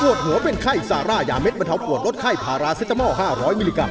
หัวเป็นไข้ซาร่ายาเด็ดบรรเทาปวดลดไข้พาราเซตามอล๕๐๐มิลลิกรั